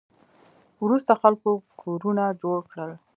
وروسته خلکو کورونه جوړ کړل